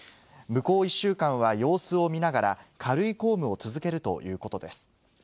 向こう１週間は様子を見ながら、軽い公務を続けるということです。